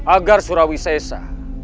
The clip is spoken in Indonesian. agar surawis sesa